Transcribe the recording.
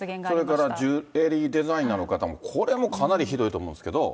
それからジュエリーデザイナーの方も、これもかなりひどいと思うんですけど。